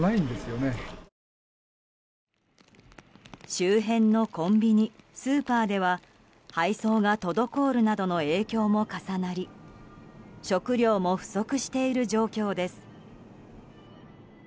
周辺のコンビニ、スーパーでは配送が滞るなどの影響も重なり食料も不足している状況です。